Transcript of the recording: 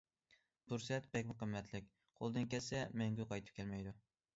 پۇرسەت بەكمۇ قىممەتلىك، قولدىن كەتسە مەڭگۈ قايتىپ كەلمەيدۇ.